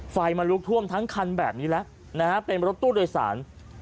ไฟมันลุกท่วมทั้งคันแบบนี้แล้วนะฮะเป็นรถตู้โดยสาร